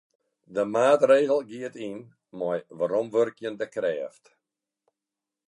De maatregel giet yn mei weromwurkjende krêft.